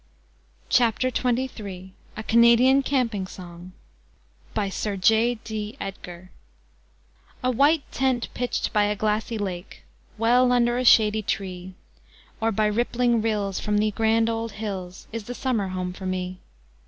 CLEMENS (Mark Twain) A CANADIAN CAMPING SONG A white tent pitched by a glassy lake, Well under a shady tree, Or by rippling rills from the grand old hills, Is the summer home for me.